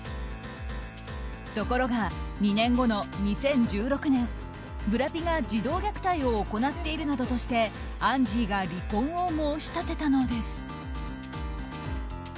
ところが２年後の２０１６年ブラピが児童虐待を行っているなどとしてアンジーが離婚を申し立てたのです。